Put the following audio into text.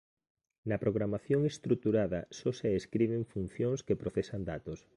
Na programación estruturada só se escriben funcións que procesan datos.